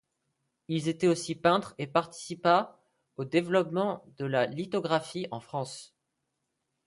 Il était aussi peintre, et participa au développement de la lithographie en France.